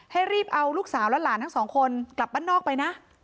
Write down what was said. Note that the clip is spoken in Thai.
ให้รีบเอาลูกสาวและหลานทั้งสองคนกลับบ้านนอกไปนะ